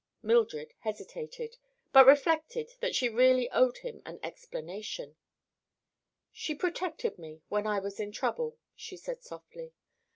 Mildred hesitated, but reflected that she really owed him an explanation. "She protected me when I was in trouble," she said softly.